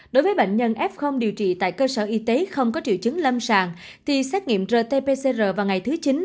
đối với bệnh nhân f điều trị tại cơ sở y tế không có triệu chứng lâm sàng thì xét nghiệm rt pcr vào ngày thứ chín